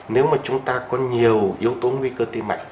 nếu mà chúng ta có nhiều yếu tố nguy cơ tim mạnh